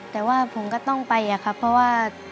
แต่ว่าผมก็ต้องไปอะครับเพราะว่า